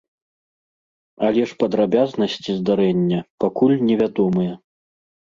Але ж падрабязнасці здарэння пакуль невядомыя.